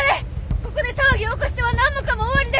ここで騒ぎを起こしては何もかも終わりです！